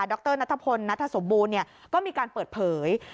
ดรนัทธพลนัทธสมบูรณ์เนี่ยก็มีการเปิดเผย